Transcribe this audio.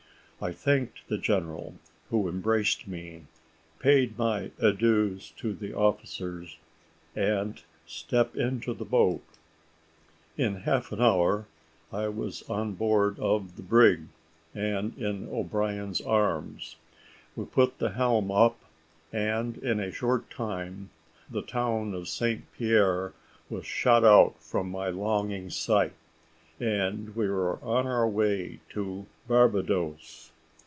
I thanked the general, who embraced me, paid my adieus to the officers, and stepped into the boat. In half an hour I was on board of the brig, and in O'Brien's arms. We put the helm up, and in a short time the town of St. Pierre was shut out from my longing sight, and we were on our way to Barbadoes.